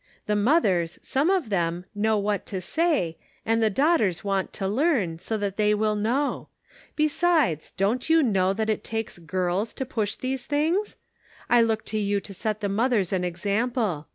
The mothers, some of them, know what to say, and the daughters want to learn, so that they will know. Besides, don't you know that it takes'^Ws to push these things ? I look to you to set the mothers an example.